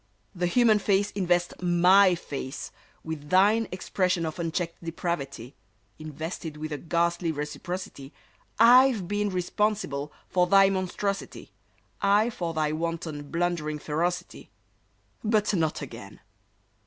The human race Invest my face With thine expression of unchecked depravity, Invested with a ghastly reciprocity, I've been responsible for thy monstrosity, I, for thy wanton, blundering ferocity— But not again!